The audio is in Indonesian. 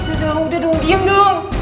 udah udah diam dong